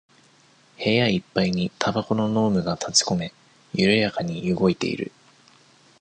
部屋いっぱいにタバコの濃霧がたちこめ、ゆるやかに動いている。